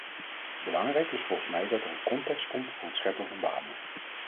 Belangrijk is volgens mij dat er een context komt voor het scheppen van banen.